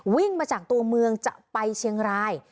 วิ่งมาจากตัวเมืองจะไปเชียงราย